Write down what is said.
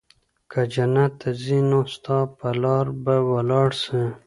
که جنت ته ځي نو ستا په لار به ولاړ سي